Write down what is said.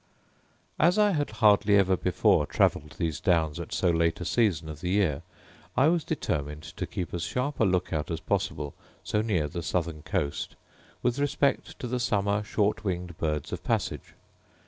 As I had hardly ever before travelled these downs at so late a season of the year, I was determined to keep as sharp a look out as possible so near the southern coast, with respect to the summer short winged birds of passage.